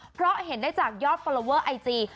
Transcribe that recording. เพราะเห็นได้จากยอดฟอลลอเวอร์ไอจี